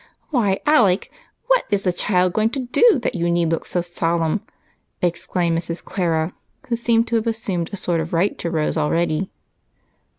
"Why, Alec, what is the child going to do that you need look so solemn?" exclaimed Mrs. Clara, who seemed to have assumed a sort of right to Rose already.